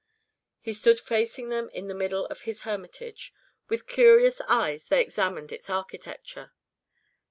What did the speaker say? He stood facing them in the middle of his hermitage. With curious eyes they examined its architecture.